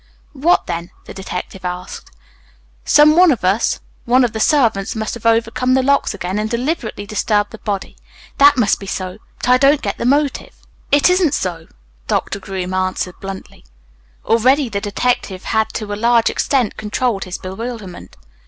"What then?" the detective asked. "Some one of us, or one of the servants, must have overcome the locks again and deliberately disturbed the body. That must be so, but I don't get the motive." "It isn't so," Doctor Groom answered bluntly. Already the detective had to a large extent controlled his bewilderment.